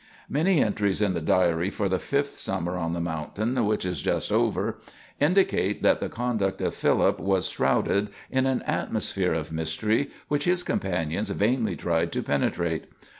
Many entries in the diary for the fifth summer on the mountain, which is just over, indicate that the conduct of Philip was shrouded in an atmosphere of mystery which his companions vainly tried to penetrate.